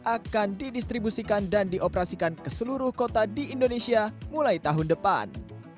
akan didistribusikan dan dioperasikan ke seluruh kota di indonesia mulai tahun depan